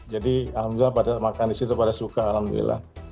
jadi alhamdulillah makan disitu pada suka alhamdulillah